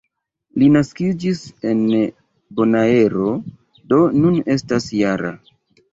Li naskiĝis en Bonaero, do nun estas -jara.